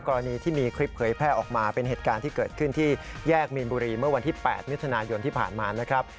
กรณีที่มีคลิปเผยแพร่ออกมาเป็นเหตุการณ์ที่เกิดขึ้นที่แยกมีนบุรีเมื่อวันที่๘มิถุนายนที่ผ่านมานะครับ